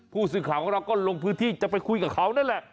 ผู้สื่อข่าวของเราก็ลงพื้นที่จะไปคุยกับเขานั่นแหละ